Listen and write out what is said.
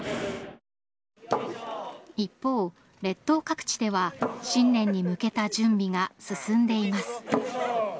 一方、列島各地では新年に向けた準備が進んでいます。